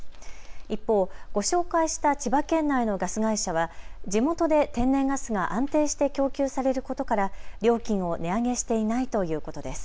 一方、ご紹介した千葉県内のガス会社は地元で天然ガスが安定して供給されることから料金を値上げしていないということです。